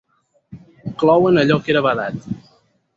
Clouen allò que era badat.